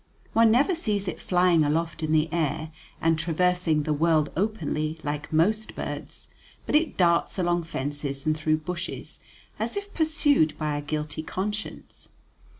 One never sees it flying aloft in the air and traversing the world openly, like most birds, but it darts along fences and through bushes as if pursued by a guilty conscience.